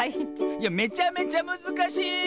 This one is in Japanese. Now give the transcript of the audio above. いやめちゃめちゃむずかしい！